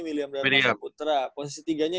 william darmanaputra posisi tiga nya